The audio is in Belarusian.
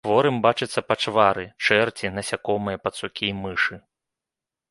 Хворым бачацца пачвары, чэрці, насякомыя, пацукі, мышы.